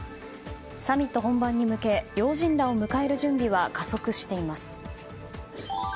サミット本番に向け要人らを迎え入れる準備は加速しています。